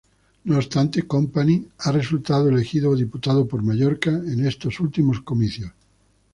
No obstante, Company ha resultado elegido diputado por Mallorca en estos últimos comicios.